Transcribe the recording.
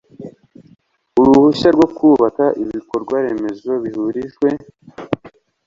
uruhushya rwo kubaka ibikorwaremezo bihurijwe